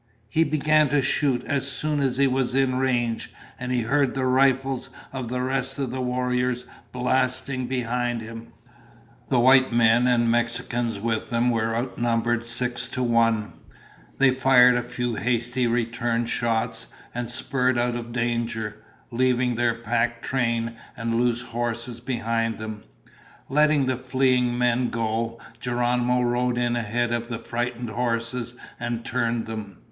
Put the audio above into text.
He began to shoot as soon as he was in range, and he heard the rifles of the rest of the warriors blasting behind him. [Illustration: "Look! Usan has smiled upon us!"] The white men and the Mexicans with them were outnumbered six to one. They fired a few hasty return shots and spurred out of danger, leaving their pack train and loose horses behind them. Letting the fleeing men go, Geronimo rode in ahead of the frightened horses and turned them.